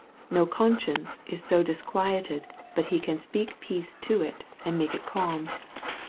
No conscience is so disquieted, but He can speak peace to it, and make it calm.